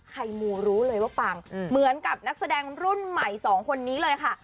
มูรู้เลยว่าปังเหมือนกับนักแสดงรุ่นใหม่สองคนนี้เลยค่ะ